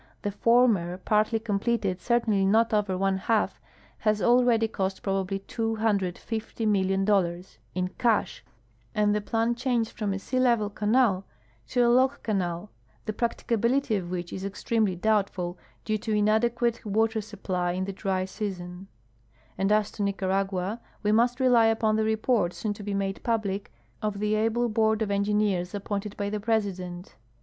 The former, parti}" comjffeted — cer tainly not over one half — has already cost probably $250,000,000 in cash and the plan changed from a sea level canal to a lock canal, the practicability of wliich is extremely doubtful, due to inadequate water supply in the dry season ; and as to Nicaragua, we mu.st rely u))on the report, soon to be made public, of the able board of engineers appointed by the Presidcmt.